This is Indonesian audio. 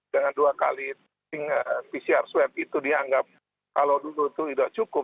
dengan dua kali pcr swab itu dianggap kalau dulu itu sudah cukup